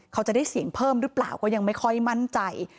เขาจะได้เสียงเพิ่มหรือเปล่าก็ยังไม่ค่อยมั่นใจ